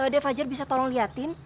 dia fajar bisa tolong liatin